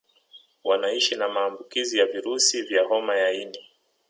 Wanaishi na maambukizi ya virusi vya homa ya ini